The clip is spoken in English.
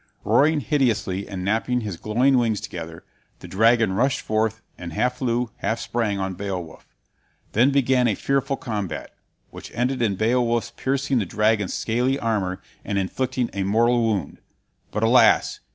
Roaring hideously and napping his glowing wings together, the dragon rushed forth and half flew, half sprang, on Beowulf. Then began a fearful combat, which ended in Beowulf's piercing the dragon's scaly armor and inflicting a mortal wound, but alas!